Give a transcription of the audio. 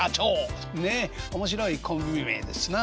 ねえ面白いコンビ名ですな。